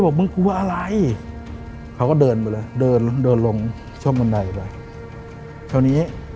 มึงกลัวอะไรเขาก็เดินไปเลยเดินลงเดินลงช่องบันไดไปคราวนี้